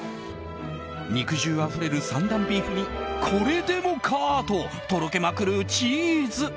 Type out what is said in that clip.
肉汁あふれる３段ビーフにこれでもかととろけまくるチーズ。